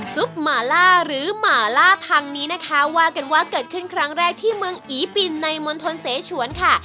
ซุปหมาล่าหรือหมาล่าทางนี้นะคะว่ากันว่าเกิดขึ้นครั้งแรกที่เมืองอีปินในมณฑลเสชวนค่ะ